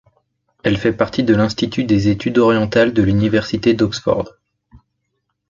Elle fait partie de l'institut des études orientales de l'université d'Oxford.